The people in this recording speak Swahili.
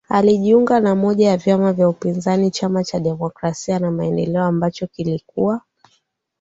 alijiunga na moja ya vyama vya upinzaji Chama cha Demokrasia na Maendeleo ambacho kilikuwa